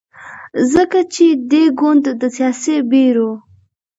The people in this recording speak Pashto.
ځکه چې دې ګوند د سیاسي بیرو